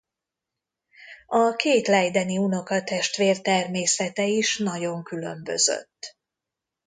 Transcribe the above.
A két leideni unokatestvér természete is nagyon különbözött.